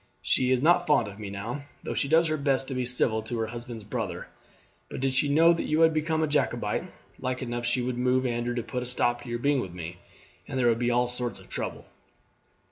She is not fond of me now, though she does her best to be civil to her husband's brother; but did she know that you had become a Jacobite, like enough she would move Andrew to put a stop to your being with me, and there would be all sorts of trouble."